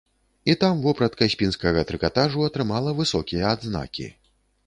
І там вопратка з пінскага трыкатажу атрымала высокія адзнакі.